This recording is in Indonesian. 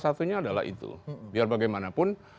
satunya adalah itu biar bagaimanapun